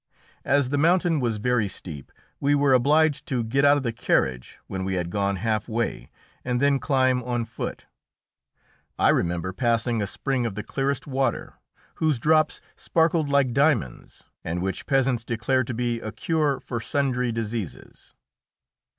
As the mountain was very steep, we were obliged to get out of the carriage when we had gone half way and then climb on foot. I remember passing a spring of the clearest water, whose drops sparkled like diamonds, and which peasants declared to be a cure for sundry diseases.